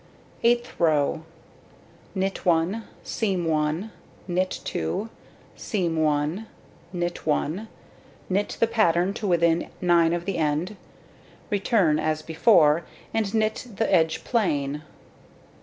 Eighth row: Knit 1, seam 1, knit 2, seam 1, knit 1, knit the pattern to within 9 of the end. Return, as before, and knit the edge plain.